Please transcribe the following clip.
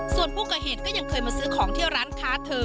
ส่วนผู้ก่อเหตุก็ยังเคยมาซื้อของที่ร้านค้าเธอ